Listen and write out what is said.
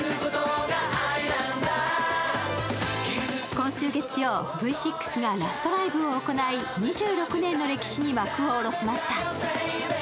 今週月曜、Ｖ６がラストライブを行い、２６年の歴史に幕を下ろしました。